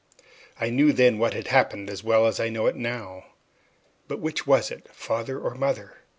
I knew then what had happened as well as I know it now. But which was it, father or mother?